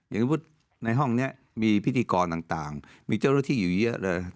อย่างนี้พูดในห้องนี้มีพิธีกรต่างมีเจ้ารถที่อยู่เยอะเลย